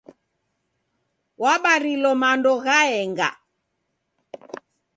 Wabarilo mando ghaenga.